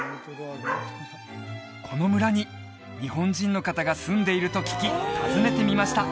この村に日本人の方が住んでいると聞き訪ねてみました